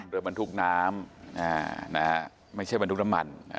โดยบรรทุกน้ำไม่ใช่บรรทุกน้ำมัน